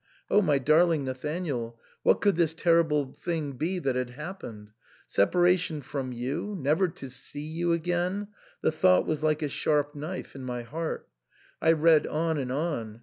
Oh ! my darling Nathanael ! what could this terrible thing be that had happened ? Separation from you — never to see you again, the thought was like a sharp knife in my heart I read on and on.